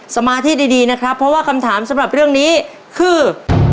สมาธิดีนะครับเพราะว่าคำถามสำหรับเรื่องนี้คือ